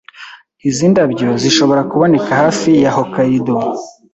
Izi ndabyo zishobora kuboneka hafi ya Hokkaido.